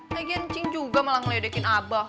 lagian cing juga malah meledekin abah